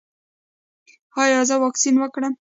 ایا زه واکسین وکړم؟